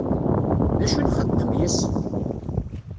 D acu i nxeddem yes-s?